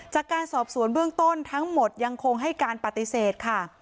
จากการสอบสวนเบื้องต้นทั้งหมดยังคงให้การปฏิเสธค่ะ